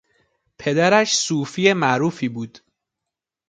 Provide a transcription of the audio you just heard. پدرش صوفی معروفی بود.